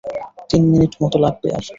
তিন মিনিট মতো লাগবে আর।